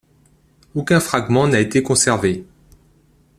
Aucun fragment n'en a été conservé.